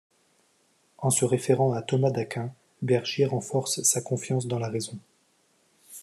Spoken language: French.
En se référant à Thomas d'Aquin, Bergier renforce sa confiance dans la raison.